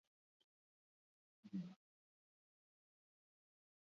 Lapurretekin zerikusia duelakoan atxilotu duten gazteak aurrekariak zituen.